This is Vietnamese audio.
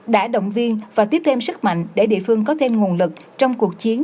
đã động viên và tiếp thêm sức mạnh để địa phương có thêm nguồn lực trong cuộc chiến